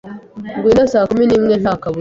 Ngwino saa kumi n'imwe nta kabuza.